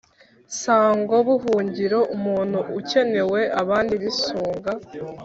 sango: buhungiro; umuntu ukenewe abandi bisunga